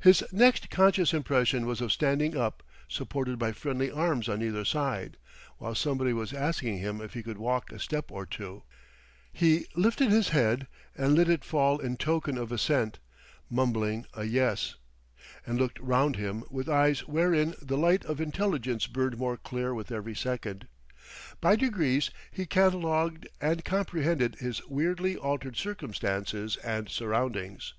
His next conscious impression was of standing up, supported by friendly arms on either side, while somebody was asking him if he could walk a step or two. He lifted his head and let it fall in token of assent, mumbling a yes; and looked round him with eyes wherein the light of intelligence burned more clear with every second. By degrees he catalogued and comprehended his weirdly altered circumstances and surroundings.